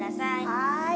はい。